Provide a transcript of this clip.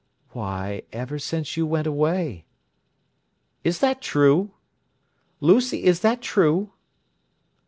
"Why—ever since you went away!" "Is that true? Lucy, is that true?"